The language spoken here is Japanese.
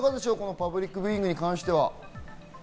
パブリックビューイングに関して。